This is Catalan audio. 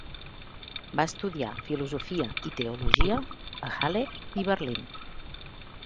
Va estudiar filosofia i teologia a Halle i Berlín.